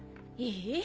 いい？